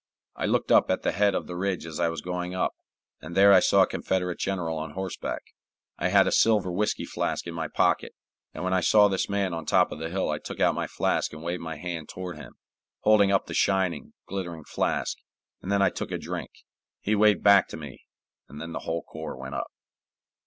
I looked up at the head of the ridge as I was going up, and there I saw a Confederate general on horseback. I had a silver whisky flask in my pocket, and when I saw this man on the top of the hill I took out my flask and waved my hand toward him, holding up the shining, glittering flask, and then I took a drink. He waved back to me, and then the whole corps went up."